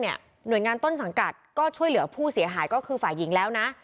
หน่วยงานต้นสังกัดก็ช่วยเหลือผู้เสียหายก็คือฝ่ายหญิงแล้วนะ